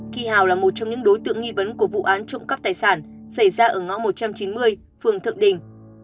khi hào là một trong những đối tượng nghi vấn của vụ án trộm cắp tài sản xảy ra ở ngõ một trăm chín mươi phường thượng đình